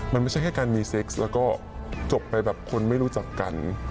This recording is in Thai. มันไม่ใช่แค่การมีเซ็กซ์แล้วก็จบไปแบบคนไม่รู้จักกัน